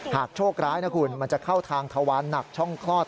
โชคร้ายนะคุณมันจะเข้าทางทวารหนักช่องคลอด